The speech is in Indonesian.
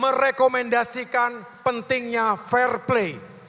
merekomendasikan pentingnya fair play